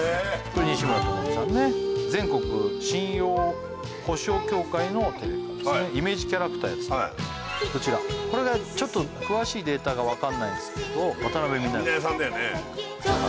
これ西村知美さんね全国信用保証協会のテレカですねイメージキャラクターやってたこちらこれがちょっと詳しいデータがわかんないんすけど渡辺美奈代さん